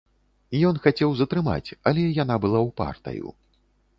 Ён хацеў затрымаць, але яна была ўпартаю.